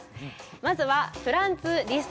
まずはフランツ・リスト。